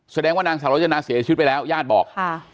แสดงว่านางสาวรจนาเสียชีวิตไปแล้วญาติบอก